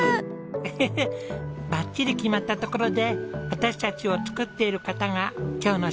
ヘヘヘバッチリ決まったところで私たちを作っている方が今日の主人公です。